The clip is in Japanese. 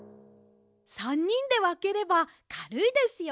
３にんでわければかるいですよ。